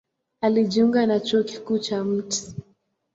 Alijiunga na Chuo Kikuu cha Mt.